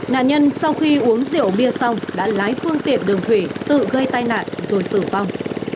nạn nhân sau khi uống rượu bia xong đã lái phương tiện đường thủy tự gây tai nạn rồi tử vong